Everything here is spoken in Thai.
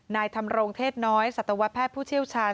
นายธรรมรงเทศน้อยสัตวแพทย์ผู้เชี่ยวชาญ